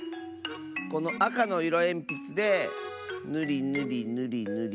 このあかのいろえんぴつでぬりぬりぬりぬり